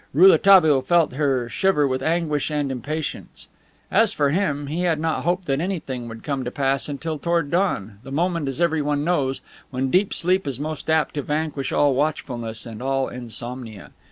Rouletabille felt her shiver with anguish and impatience. As for him, he had not hoped that anything would come to pass until toward dawn, the moment, as everyone knows, when deep sleep is most apt to vanquish all watchfulness and all insomnia.